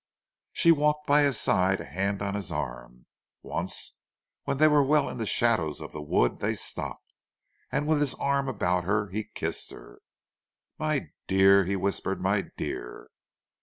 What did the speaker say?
She walked by his side, a hand on his arm. Once when they were well in the shadows of the wood they stopped, and with his arm about her he kissed her. "My dear!" he whispered, "my dear."